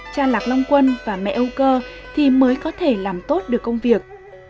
cha lạc long quân và mẹ âu cơ thì mới có thể làm tốt được công việc